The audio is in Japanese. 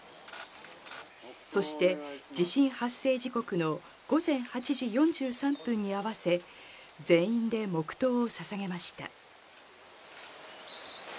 そして地震発生時刻の午前８時４３分に合わせ、全員で黙とうをささげました。